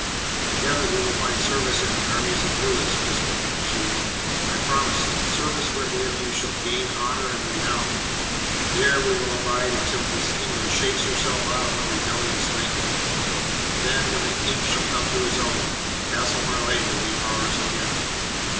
"Together we will find service in the armies of Louis," Crispin pursued. "I promise it. Service wherein you shall gain honour and renown. There we will abide until this England shakes herself out of her rebellious nightmare. Then, when the King shall come to his own, Castle Marleigh will be ours again.